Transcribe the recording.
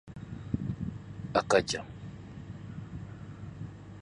A ka jan.